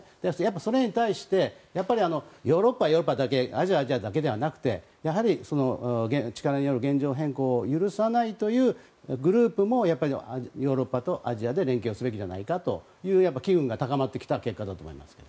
それに対してヨーロッパはヨーロッパだけアジアはアジアだけではなくてやはり力による現状変更を許さないというグループもヨーロッパとアジアで連携をすべきではという機運が高まってきた結果だと思いますけど。